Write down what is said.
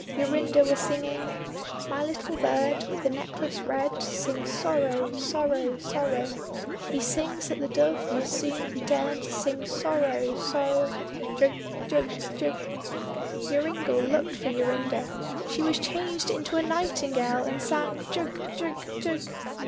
Jorinda was singing— "My little bird, with the necklace red, Sings sorrow, sorrow, sorrow, He sings that the dove must soon be dead, Sings sorrow, sor—jug, jug, jug." Joringel looked for Jorinda. She was changed into a nightingale, and sang, "jug, jug, jug."